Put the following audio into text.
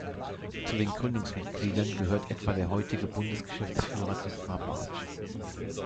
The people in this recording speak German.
Zu den Gründungsmitgliedern gehört etwa der heutige Bundesgeschäftsführer Dietmar Bartsch.